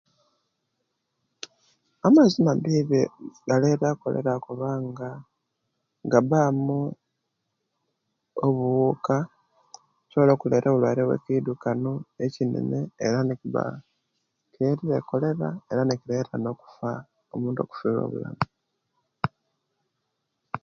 Amaizi amabibi galeta kolera kubanga gaba mu obuuka obusobola okuleta ekiruaire obwe kidukano ekinene era nikiba kiretere kolera era nikireta nokufa omuntu okufuirwa obulamu